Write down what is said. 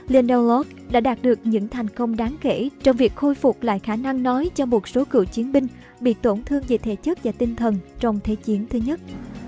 lên neoght đã đạt được những thành công đáng kể trong việc khôi phục lại khả năng nói cho một số cựu chiến binh bị tổn thương về thể chất và tinh thần trong thế chiến thứ nhất